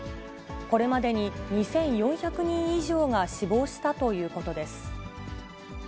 これまでに２４００人以上が死亡したということです。